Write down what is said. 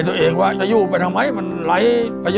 ถูก